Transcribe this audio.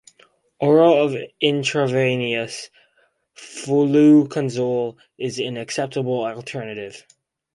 Oral or intravenous fluconazole is an acceptable alternative.